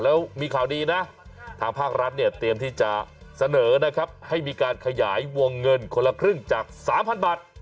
แล้วมีข่าวดีนะทางภาครัฐเนี่ยเตรียมที่จะเสนอนะครับให้มีการขยายวงเงินคนละครึ่งจาก๓๐๐บาท